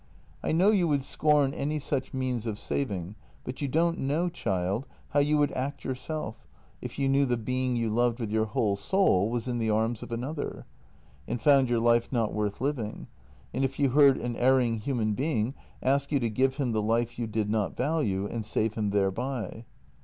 I know you would scorn any such means of saving, but you don't know, child, how you would act yourself, if you knew the being you loved with your whole soul was in the arms of another, and found your life not worth living, and if you heard an erring human being ask you to give him the life you did not value and save him thereby.